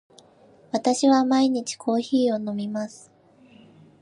私は毎日コーヒーを飲みます。